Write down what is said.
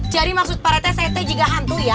jadi maksud pak rete saya juga hantu ya